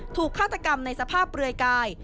ฆาตกรรมในสภาพเปลือยกาย